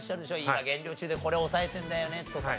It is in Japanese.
今減量中でこれ抑えてんだよねとか。